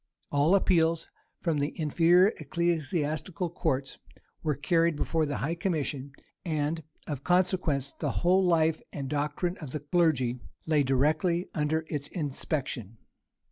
All appeals from the inferior ecclesiastical courts were carried before the high commission; and, of consequence, the whole life and doctrine of the clergy lay directly under its inspection.